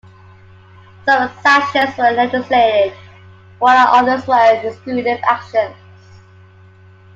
Some sanctions were legislated while others were executive actions.